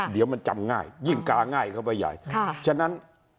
เดี๋ยวมันจำง่ายยิ่งกาง่ายเข้าไปใหญ่ฉะนั้น